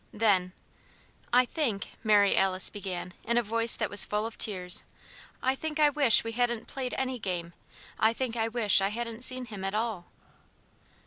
Then, "I think," Mary Alice began, in a voice that was full of tears, "I think I wish we hadn't played any game. I think I wish I hadn't seen him at all."